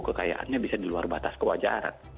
kekayaannya bisa di luar batas kewajaran